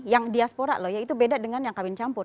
yang diaspora loh ya itu beda dengan yang kawin campur